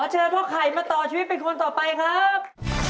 เชิญพ่อไข่มาต่อชีวิตเป็นคนต่อไปครับ